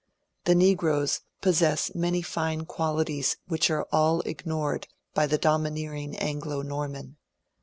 The negroes possess many fine qualities which are all ignored by the domineering Anglo Norman.